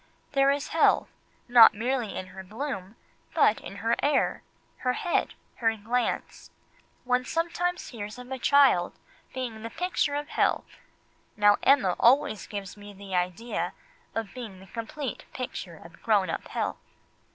There is health, not merely in her bloom, but in her air, her head, her glance. One sometimes hears of a child being "the picture of health," now Emma always gives me the idea of being the complete picture of grown up health.